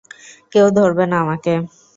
কেউ ধরবে না আমাকে।